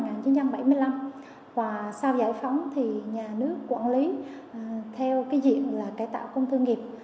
sau giải phóng nhà nước quản lý theo diện cải tạo công thương nghiệp